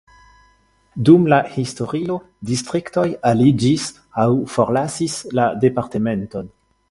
Dum la historio distriktoj aliĝis aŭ forlasis la departementon.